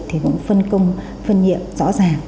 thì cũng phân công phân nhiệm rõ ràng